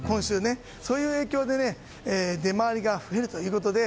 そういう影響で出回りが増えるということで。